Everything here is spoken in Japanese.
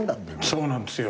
そうなんですよ。